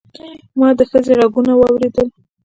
ما د ښځې غږونه واورېدل.